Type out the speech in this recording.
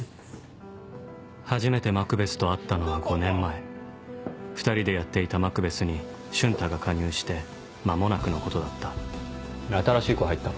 初めてマクベスと会ったのは５年前２人でやっていたマクベスに瞬太が加入して間もなくのことだった新しい子入ったの？